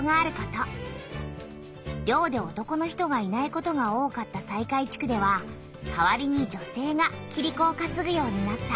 漁で男の人がいないことが多かった西海地区では代わりに女性がキリコをかつぐようになった。